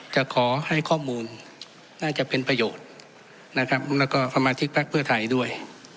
จะขอให้ข้อมูลน่าจะเป็นประโยชน์และไปมาดูเพื่อไทยด้วย